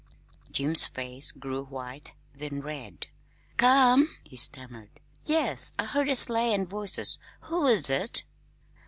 Jim's face grew white, then red. "C ome?" he stammered. "Yes, I heard a sleigh and voices. Who is it?"